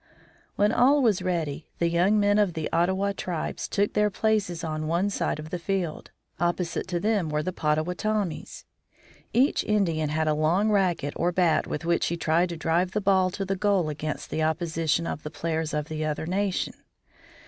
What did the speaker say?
When all was ready the young men of the Ottawa tribes took their places on one side of the field. Opposite to them were the Pottawottomies. Each Indian had a long racket or bat with which he tried to drive the ball to the goal against the opposition of the players of the other nation.